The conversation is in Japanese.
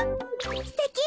すてき！